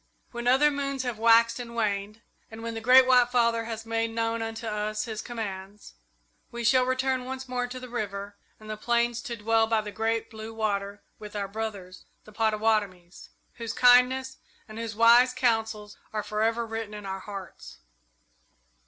"When other moons have waxed and waned, and when the Great White Father has made known unto us his commands, we shall return once more to the river and the plains to dwell by the Great Blue Water with our brothers, the Pottawattomies, whose kindness and whose wise counsels are forever written in our hearts."